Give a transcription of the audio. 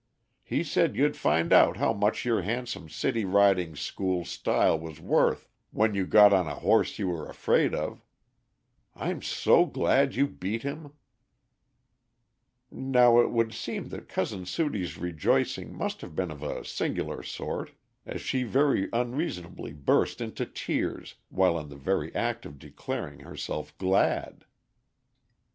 He said you'd find out how much your handsome city riding school style was worth when you got on a horse you were afraid of. I'm so glad you beat him!" [Illustration: MISS SUDIE DECLARES HERSELF "SO GLAD."] Now it would seem that Cousin Sudie's rejoicing must have been of a singular sort, as she very unreasonably burst into tears while in the very act of declaring herself glad.